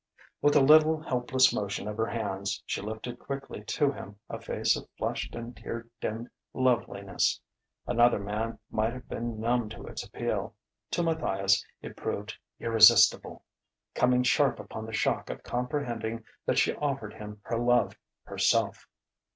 With a little, helpless motion of her hands, she lifted quickly to him a face of flushed and tear dimmed loveliness. Another man might have been numb to its appeal: to Matthias it proved irresistible, coming sharp upon the shock of comprehending that she offered him her love, herself.